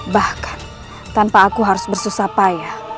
bahkan tanpa aku harus bersusah payah